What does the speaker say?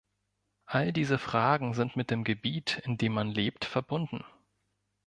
All diese Fragen sind mit dem Gebiet, in dem man lebt, verbunden.